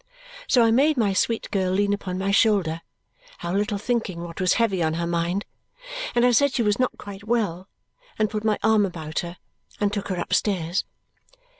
So I made my sweet girl lean upon my shoulder how little thinking what was heavy on her mind! and I said she was not quite well, and put my arm about her, and took her upstairs.